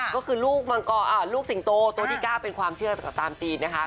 ก็คือลูกสิงโตตัวที่๙เป็นความเชื่อตามจีนนะคะ